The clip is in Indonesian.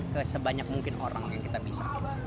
ke sebanyak mungkin orang yang kita bisa